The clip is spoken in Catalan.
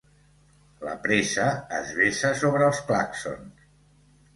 La pressa es vessa sobre els clàxons.